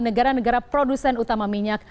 negara negara produsen utama minyak